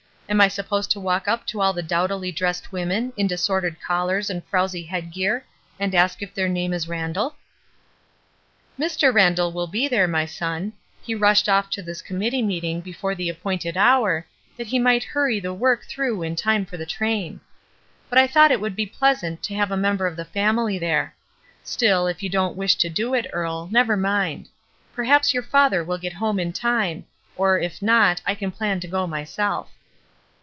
Am I supposed to walk up to all the dowdily dressed women in disordered collars and frowzy head gear and ask if their name is Randall?" ''Mr. Randall will be there, my son. He rushed off to this committee meeting before the appointed hour, that he might hurry the work through in time for the train. But I thought it would be pleasant to have a member of the family there; still, if you don't wish to do it, Earle, never mind. Perhaps your father will get home in time, or, if not, I can plan to go myself.''